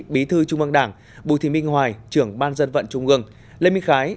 bí thư trung ương đảng bùi thị minh hoài trưởng ban dân vận trung ương lê minh khái